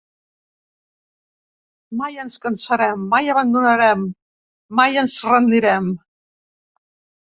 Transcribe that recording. Mai ens cansarem, mai abandonarem, mai ens rendirem.